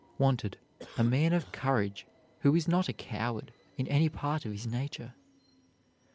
Wanted, a man of courage who is not a coward in any part of his nature.